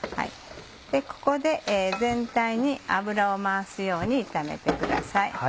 ここで全体に油を回すように炒めてください。